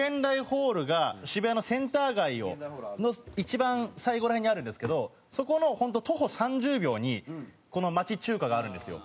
∞ホールが渋谷のセンター街の一番最後ら辺にあるんですけどそこの本当徒歩３０秒にこの町中華があるんですよ。